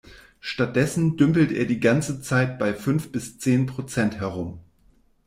Stattdessen dümpelt er die ganze Zeit bei fünf bis zehn Prozent herum.